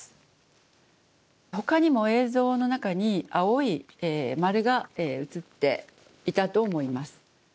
ほかにも映像の中に青い丸が映っていたと思います。